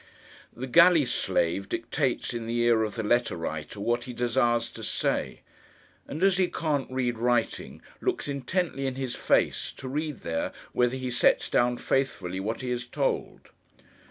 The galley slave dictates in the ear of the letter writer, what he desires to say; and as he can't read writing, looks intently in his face, to read there whether he sets down faithfully what he is told.